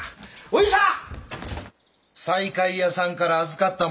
お夕さん！